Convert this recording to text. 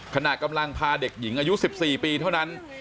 ขณะกำลังพาเด็กหญิงอายุ๑๔ปีเท่านั้น